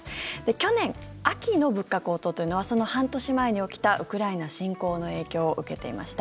去年秋の物価高騰というのはその半年前に起きたウクライナ侵攻の影響を受けていました。